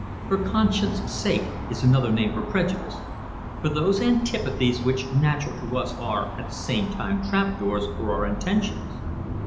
'For conscience sake' is another name for prejudice for those antipathies which, natural to us, are, at the same time, trap doors, for our just intentions.